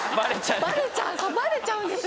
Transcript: バレちゃうんだ。